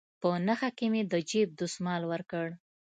په نخښه كښې مې د جيب دسمال وركړ.